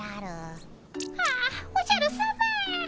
あっおじゃるさま。